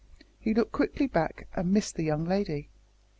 He looked quickly back and missed the young lady.